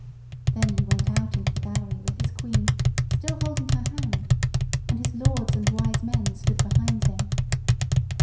Then he went out into the gallery with his Queen, still holding her hand, and his lords and wise men stood behind him.